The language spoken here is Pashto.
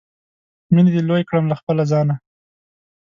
مینې دې لوی کړم له خپله ځانه